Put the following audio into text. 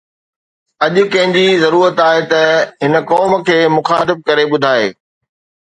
اڄ ڪنهن جي ضرورت آهي ته هن قوم کي مخاطب ڪري ٻڌائي